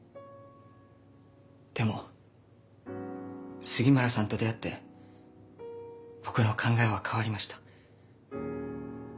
でも杉村さんと出会って僕の考えは変わりました。